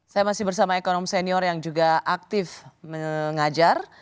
saya masih bersama ekonom senior yang juga aktif mengajar